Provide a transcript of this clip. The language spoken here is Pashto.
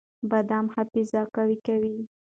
بادام حافظه قوي کوي.